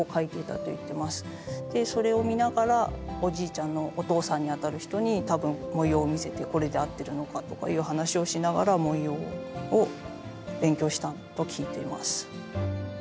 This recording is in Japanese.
でそれを見ながらおじいちゃんのお父さんにあたる人に多分文様を見せてこれで合ってるのかとかいう話をしながら文様を勉強したと聞いています。